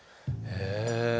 へえ。